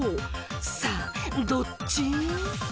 さぁ、どっち？